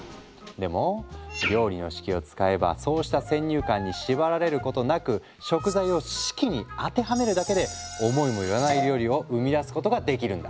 でも料理の式を使えばそうした先入観に縛られることなく食材を式に当てはめるだけで思いもよらない料理を生み出すことができるんだ。